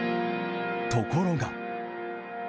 ところが。